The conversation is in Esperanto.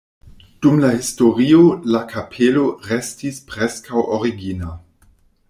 Dum la historio la kapelo restis preskaŭ origina.